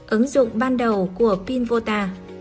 ứng dụng ban đầu của pin vota